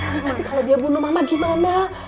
nanti kalau dia bunuh mama gimana